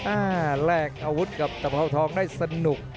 อ่าแลกอาวุธกับทะพร้อมทองได้สนุก